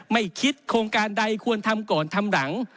ไม่คิดโครงการใดควรทำก่อนทำหลัง